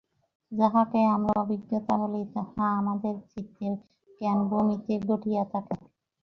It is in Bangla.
যাহাকে আমরা অভিজ্ঞতা বলি, তাহা আমাদের চিত্তের জ্ঞানভূমিতে ঘটিয়া থাকে।